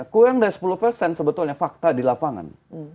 kurang dari sepuluh persen sebetulnya fakta di lapangan